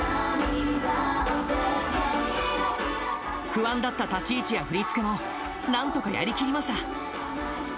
不安だった立ち位置や振り付けも、なんとかやり切りました。